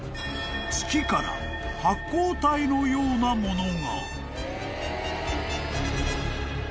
［月から発光体のようなものが］